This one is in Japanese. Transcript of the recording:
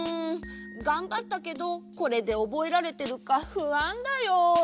がんばったけどこれでおぼえられてるかふあんだよ。